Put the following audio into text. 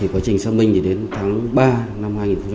quá trình xác minh đến tháng ba năm hai nghìn một mươi bốn